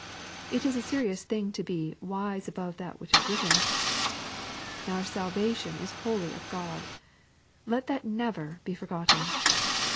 It is a serious thing to be " wise above that which is writ ten." Our salvation is wholly of God. Let that never be forgotten.